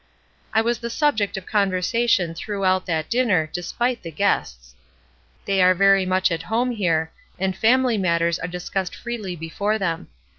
I was the subject of conversation throughout that dinner, despite the guests. They are very much at home here, and family matters are discussed freely before them.